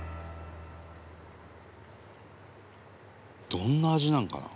「どんな味なのかな？」